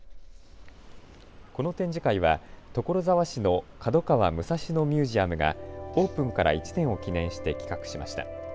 この展示会は所沢市の角川武蔵野ミュージアムがオープンから１年を記念して企画しました。